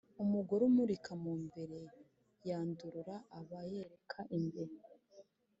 Umugore umurika mu mbere yandurura, aba yereka imbeba.